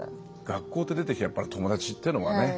学校って出てきたら友達っていうのはね